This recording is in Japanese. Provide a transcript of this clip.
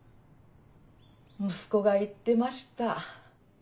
息子が言ってました。